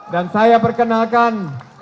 dan saya perkenalkan